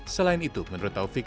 selain itu menurut taufik